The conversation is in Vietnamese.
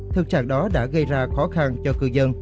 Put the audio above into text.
thực trạng đó đã gây ra khó khăn cho cư dân